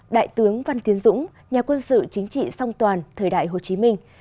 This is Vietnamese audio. đại tướng văn tiến dũng nhà quân sự chính trị song toàn thời đại hồ chí minh